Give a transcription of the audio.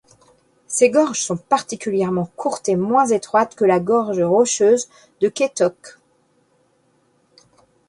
Ces gorges sont particulièrement courtes et moins étroites que la gorge rocheuse de Kaitoke.